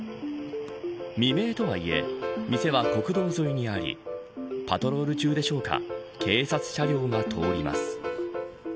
未明とはいえ店は国道沿いにありパトロール中でしょうか警察車両が通ります。